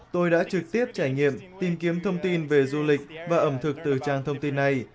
tôi đã trực tiếp trải nghiệm tìm kiếm thông tin về du lịch và ẩm thực từ trang thông tin này